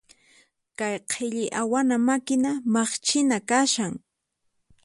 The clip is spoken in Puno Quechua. Kay qhilli awana makina maqchina kashan.